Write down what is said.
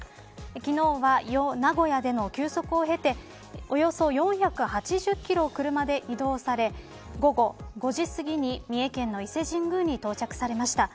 昨日は、名古屋での休息を経ておよそ４８０キロを車で移動され午後５時すぎに、三重県の伊勢神宮に到着されました。